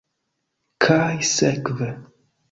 Kaj sekve.